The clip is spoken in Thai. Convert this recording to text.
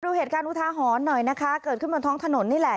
ดูเหตุการณ์อุทาหรณ์หน่อยนะคะเกิดขึ้นบนท้องถนนนี่แหละ